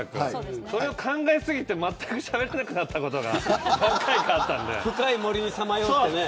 それを考え過ぎてまったくしゃべれなくなったことが深い森をさまよってね。